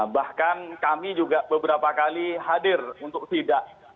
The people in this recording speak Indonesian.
bahkan kami juga beberapa kali hadir untuk tidak